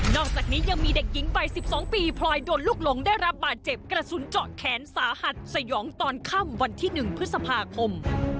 อกจากนี้ยังมีเด็กหญิงวัย๑๒ปีพลอยโดนลูกหลงได้รับบาดเจ็บกระสุนเจาะแขนสาหัสสยองตอนค่ำวันที่๑พฤษภาคม